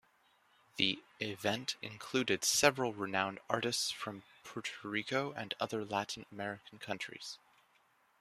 The event included several renowned artists from Puerto Rico and other Latin American countries.